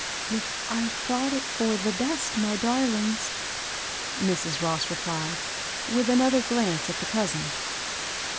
" If I thought it for the best, my darlings," Mrs. Ross replied, with another glance at the cousin.